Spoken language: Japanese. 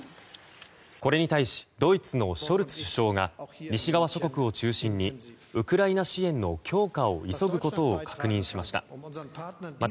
これに対しドイツのショルツ首相が西側諸国を中心にウクライナ支援の強化を急ぐことを確認しました。